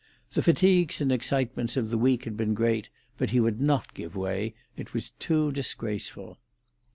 The fatigues and excitements of the week had been great, but he would not give way; it was too disgraceful.